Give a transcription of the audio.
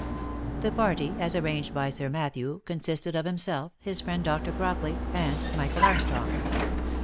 The party, as arranged by Sir Matthew, consisted of himself, his friend Dr. Crockley, and Michael Armstrong.